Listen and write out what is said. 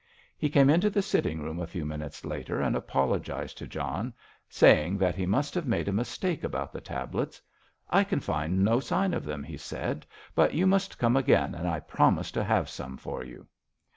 He came into the sitting room a few minutes later and apologised to John, saying that he must have made a mistake about the tablets. "I can find no sign of them," he said, "but you must come again, and I promise to have some for you."